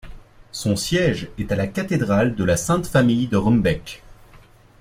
Son siège est à la cathédrale de la Sainte-Famille de Rumbek.